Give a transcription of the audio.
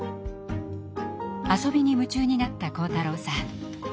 遊びに夢中になった晃太郎さん。